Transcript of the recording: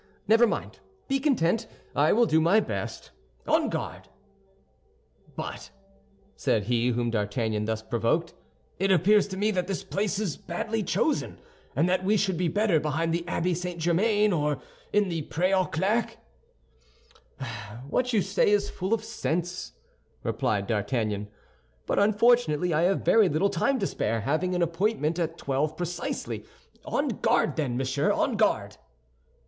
Never mind; be content, I will do my best. On guard!" "But," said he whom D'Artagnan thus provoked, "it appears to me that this place is badly chosen, and that we should be better behind the Abbey St. Germain or in the Pré aux Clercs." "What you say is full of sense," replied D'Artagnan; "but unfortunately I have very little time to spare, having an appointment at twelve precisely. On guard, then, monsieur, on guard!"